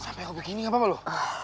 sampai kok begini gak apa apa lo